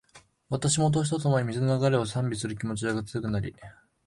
私も、年とともに、水の流れを賛美する気持ちが強くなり